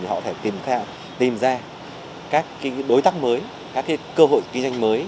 thì họ có thể tìm ra các đối tác mới các cơ hội kinh doanh mới